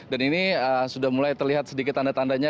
dan ini sudah mulai terlihat sedikit tanda tandanya